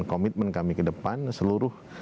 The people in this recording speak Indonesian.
komitmen kami ke depan seluruh